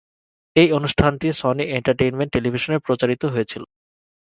এই অনুষ্ঠানটি Sony entertainment টেলিভিশনে প্রচারিত হয়েছিল।